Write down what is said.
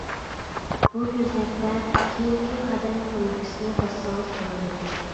بۇ كۆزنەكتە، «كېيىنكى قەدەم» كۇنۇپكىسىنى باسسىڭىز بولىدۇ:.